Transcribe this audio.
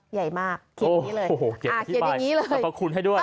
ใหญ่มากเขียนอย่างนี้เลยขอบคุณให้ด้วย